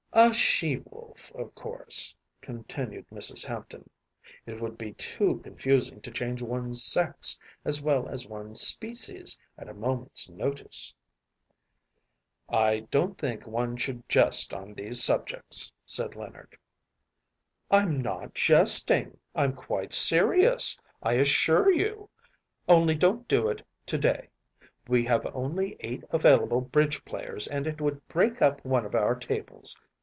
‚ÄĚ “A she wolf, of course,‚ÄĚ continued Mrs. Hampton; “it would be too confusing to change one’s sex as well as one’s species at a moment’s notice.‚ÄĚ “I don’t think one should jest on these subjects,‚ÄĚ said Leonard. “I’m not jesting, I’m quite serious, I assure you. Only don’t do it to day; we have only eight available bridge players, and it would break up one of our tables.